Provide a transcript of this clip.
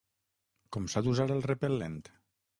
Com s’ha d’usar el repel·lent?